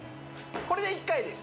これで１回です